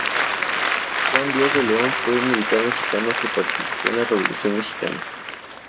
Juan Díaz de León fue un militar mexicano que participó en la Revolución mexicana.